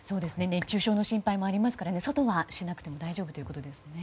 熱中症の心配もあるので外はしなくても大丈夫ということですね。